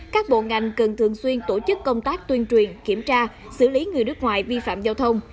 các bộ ngành cần thường xuyên tổ chức công tác tuyên truyền kiểm tra xử lý người nước ngoài vi phạm giao thông